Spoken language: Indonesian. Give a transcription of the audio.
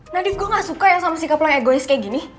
nadief gue gak suka ya sama sikap yang egois kayak gini